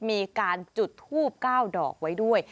มีการจุดทูบ๙ดอกไว้ด้วย